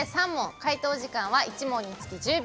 解答時間は１問につき１０秒。